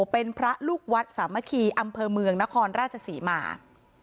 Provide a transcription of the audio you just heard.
เป็นพระลูกวัดสามัคคีอำเภอเมืองนครราชศรีมา